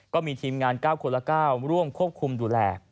ก็มีทีมงาน๙คนละ๙ร่วมควบคุมดูแล